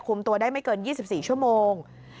ตัวได้ไม่เกิน๒๔ชั่วโมง